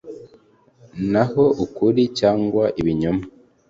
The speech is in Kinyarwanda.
Naho ukuri cyangwa ibinyoma